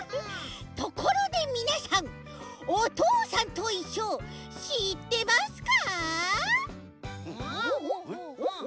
ところでみなさん「おとうさんといっしょ」しってますか？